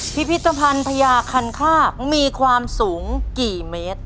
พิพิธภัณฑ์พญาคันคากมีความสูงกี่เมตร